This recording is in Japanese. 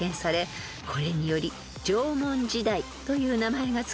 これにより縄文時代という名前が付けられました］